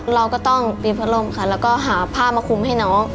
เราก็ต้องตีพัดลมค่ะแล้วก็หาผ้ามาคุมให้น้อง